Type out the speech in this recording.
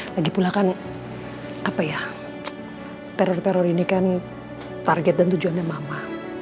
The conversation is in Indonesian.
lagi pula kan apa ya teror teror ini kan target dan tujuannya mama